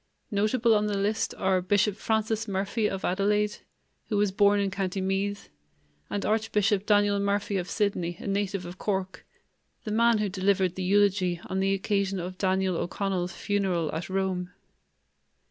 Notable on the list are Bishop Francis Murphy of Adelaide, who was born in Co. Meath, and Archbishop Daniel Murphy of Sydney, a native of Cork, the man who delivered the eulogy on the occasion of Daniel O'Connell's funeral at Rome.